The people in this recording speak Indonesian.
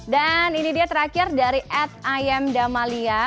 dan ini dia terakhir dari ad ayam damalia